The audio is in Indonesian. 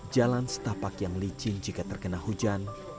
jalan setapak yang licin jika terkena hujan